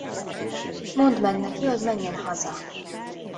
Mondd meg neki, hogy menjen haza.